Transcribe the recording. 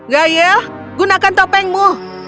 gayel gunakan topengmu